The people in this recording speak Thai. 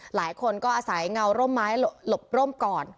หลายคนก็อาศัยเงาร่มไม้หลบร่มก่อน